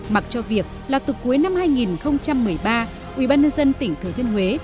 mặc cho việc là từ cuối năm hai nghìn một mươi ba ubnd tỉnh thừa thiên huế